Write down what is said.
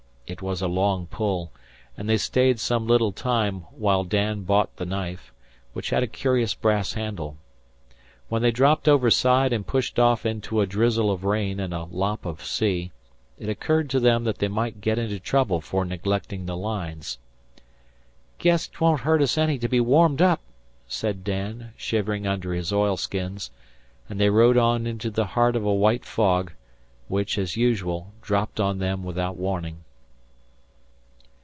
It was a long pull, and they stayed some little time while Dan bought the knife, which had a curious brass handle. When they dropped overside and pushed off into a drizzle of rain and a lop of sea, it occurred to them that they might get into trouble for neglecting the lines. "Guess 'twon't hurt us any to be warmed up," said Dan, shivering under his oilskins, and they rowed on into the heart of a white fog, which, as usual, dropped on them without warning.